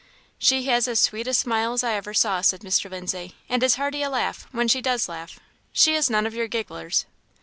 "She has as sweet a smile as I ever saw," said Mr. Lindsay, "and as hearty a laugh, when she does laugh; she is none of your gigglers."